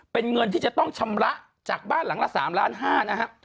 เป็นเงินที่จะต้องชำระจากบ้านหลังละ๓ล้าน๕นะฮะ